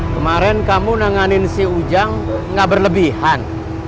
kemarin kamu nanganin si ujang nggak berlebihan